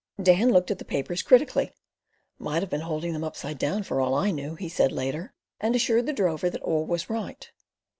Dan looked at the papers critically ("might have been holding them upside down for all I knew," he said later), and assured the drover that all was right.